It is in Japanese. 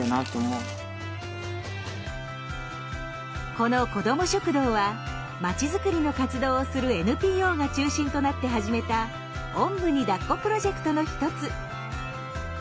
この子ども食堂は町づくりの活動をするＮＰＯが中心となって始めた「おんぶにだっこ」プロジェクトの一つ。